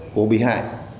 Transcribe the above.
của bị hại